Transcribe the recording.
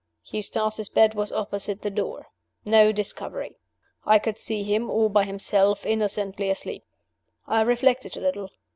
Eustace's bed was opposite the door. No discovery. I could see him, all by himself, innocently asleep. I reflected a little.